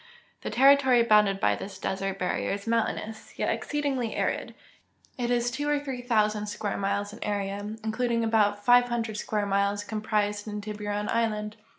The territory bounded by this desert barrier is mountainous, yet exceedingly arid ; it is two or three thousand square miles in area, including about five hundred sciuare miles comprised in Tiburon island.